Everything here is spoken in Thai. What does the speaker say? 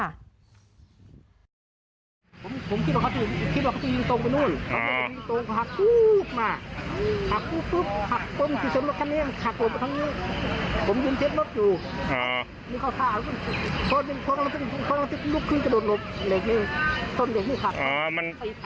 นี่ก็โดนรถเหล็กนี่ต้นเหล็กนี่ค่ะ